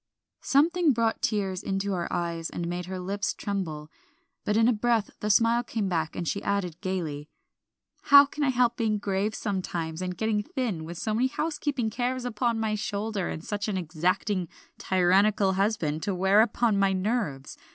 Something brought tears into her eyes and made her lips tremble, but in a breath the smile came back, and she added gayly "How can I help being grave sometimes, and getting thin, with so many housekeeping cares upon my shoulders, and such an exacting, tyrannical husband to wear upon my nerves.